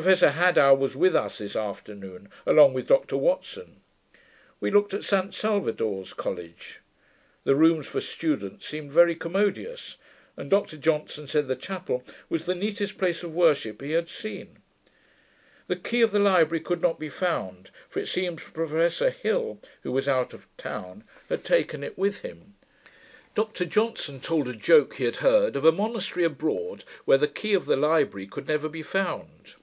Professor Haddo was with us this afternoon, along with Dr Watson. We looked at St Salvador's College. The rooms for students seemed very commodious, and Dr Johnson said, the chapel was the neatest place of worship he had seen. The key of the library could not be found; for it seems Professor Hill, who was out of town, had taken it with him. Dr Johnson told a joke he had heard of a monastery abroad, where the key of the library could never be found.